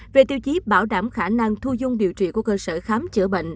về tiêu chí bảo đảm khả năng thu dung điều trị của cơ sở khám chữa bệnh